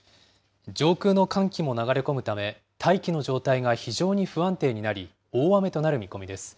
上空の寒気も流れ込むため大気の状態が非常に不安定になり、大雨となる見込みです。